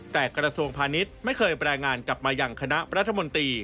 แต่กระทรวงพาณิชย์ไม่เคยรายงานกลับมาอย่างคณะรัฐมนตรี